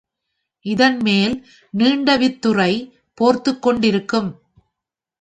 இதன்மேல் நீண்ட வித்துறை போர்த்துக்கொண்டிருக்கும்.